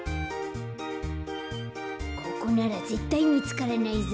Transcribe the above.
ここならぜったいみつからないぞ。